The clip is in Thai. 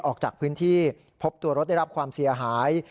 ออกจากพื้นที่พบตัวรถได้รับความเสียหาย